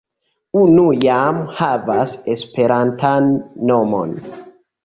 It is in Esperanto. Unu jam havas esperantan nomon.